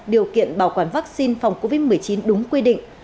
điều kiện bảo quản vaccine phòng covid một mươi chín đúng quy định